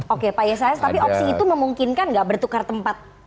oke pak yesayas tapi opsi itu memungkinkan nggak bertukar tempat